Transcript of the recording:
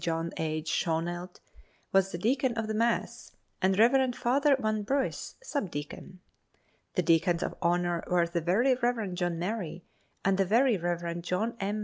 John H. Schoenelt was the deacon of the mass, and Rev. Father Van Briss sub deacon. The deacons of honor were the Very Rev. John Murray and the Very Rev. John M.